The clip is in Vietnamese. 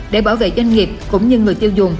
để bảo vệ doanh nghiệp cũng như người tiêu dùng